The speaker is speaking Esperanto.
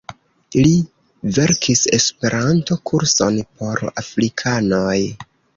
Li verkis Esperanto-kurson por afrikanoj.